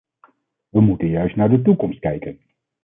We moeten juist naar de toekomst kijken.